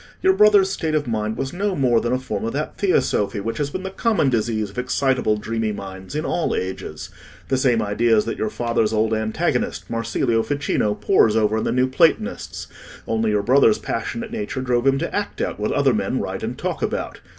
Your brother's state of mind was no more than a form of that theosophy which has been the common disease of excitable dreamy minds in all ages; the same ideas that your father's old antagonist, Marsilio Ficino, pores over in the New Platonists; only your brother's passionate nature drove him to act out what other men write and talk about.